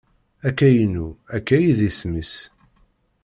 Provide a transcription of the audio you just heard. Akaynu, akka i disem-is.